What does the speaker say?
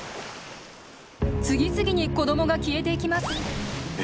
次々に子どもが消えていきます。え？